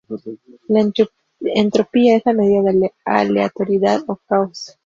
La entropía es la medida de aleatoriedad o caos.